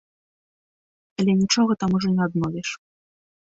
Але нічога там ужо не адновіш.